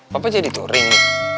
papa jadi turing